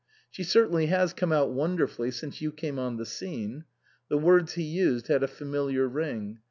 " She certainly has come out wonderfully since you came on the scene." (The words he used had a familiar ring.